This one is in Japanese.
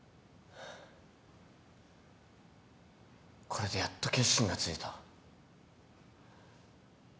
これでやっと決心がついた。